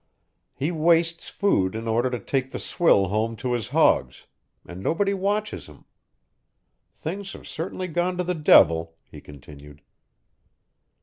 "He wastes food in order to take the swill home to his hogs and nobody watches him. Things have certainly gone to the devil," he continued.